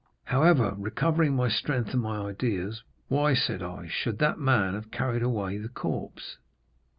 However, recovering my strength and my ideas, 'Why,' said I, 'should that man have carried away the corpse?